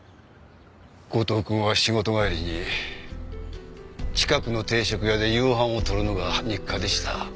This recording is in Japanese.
後藤くんは仕事帰りに近くの定食屋で夕飯をとるのが日課でした。